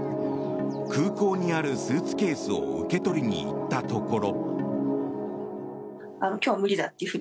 空港にあるスーツケースを受け取りに行ったところ。